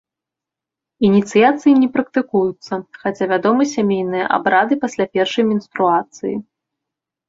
Ініцыяцыі не практыкуюцца, хаця вядомы сямейныя абрады пасля першай менструацыі.